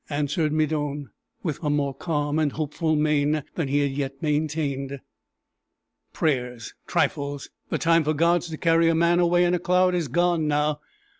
answered Medon, with a more calm and hopeful mien than he had yet maintained. "Prayers! trifles! The time for gods to carry a man away in a cloud is gone now.